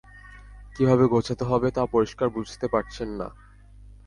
কীভাবে গোছাতে হবে, তা পরিষ্কার বুঝতে পারছেন না।